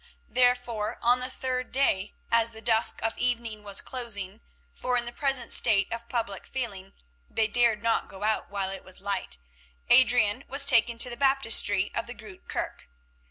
Therefore, on the third day, as the dusk of evening was closing, for in the present state of public feeling they dared not go out while it was light, Adrian was taken to the baptistry of the Groote Kerke.